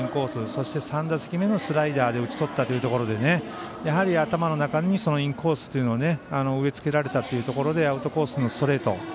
そして、３打席目のスライダーで打ち取ったというところで頭の中にインコースを植えつけられたというところでアウトコースのストレート。